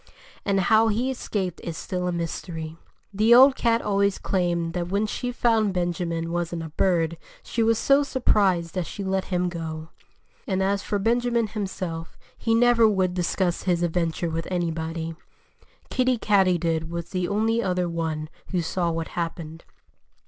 And how he escaped is still a mystery. The old cat always claimed that when she found Benjamin wasn't a bird she was so surprised that she let him go. And as for Benjamin himself, he never would discuss his adventure with anybody. Kiddie Katydid was the only other one who saw what happened.